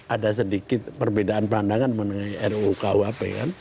ada sedikit perbedaan pandangan mengenai ruuk wap kan